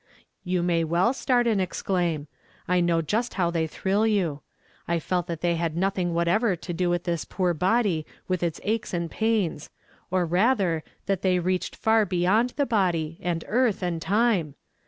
You may well start and exclaim. I know just how they thrill you. I felt that they had nothing whatever to do with this poor body with its aches ami pains; or rather, that tliey reached far beyond the body, and earth,' and time.